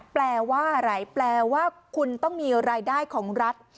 แปลว่าอะไรแปลว่าคุณต้องมีรายได้ของรัฐ